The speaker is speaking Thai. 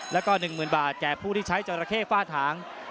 และ๑๐๐๐๐บาทผู้ที่ใช้เจ้ารัแคร่ฝ่าหาง